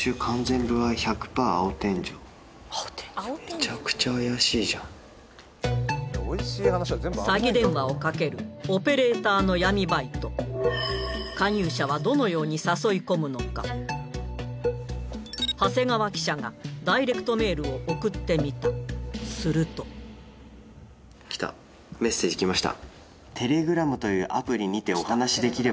めちゃくちゃ怪しいじゃん詐欺電話をかけるオペレーターの闇バイト勧誘者は長谷川記者がダイレクトメールを送ってみたするとが返ってきました